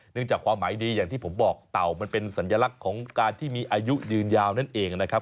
จากความหมายดีอย่างที่ผมบอกเต่ามันเป็นสัญลักษณ์ของการที่มีอายุยืนยาวนั่นเองนะครับ